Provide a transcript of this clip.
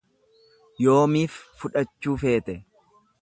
Yoomiif fudhachuu feete?